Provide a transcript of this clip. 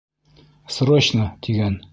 Срочно, тиген.